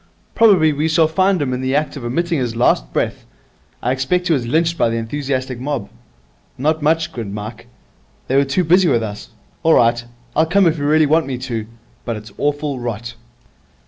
Probably we shall find him in the act of emitting his last breath. I expect he was lynched by the enthusiastic mob.' 'Not much,' grinned Mike. 'They were too busy with us. All right, I'll come if you really want me to, but it's awful rot.'